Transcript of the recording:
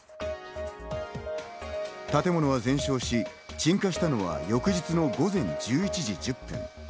建物は全焼し、鎮火したのは翌日の午前１１時１０分。